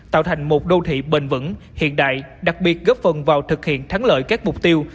tạo thành một đô thị bền vững hiện đại đặc biệt góp phần vào thực hiện thắng lợi các mục tiêu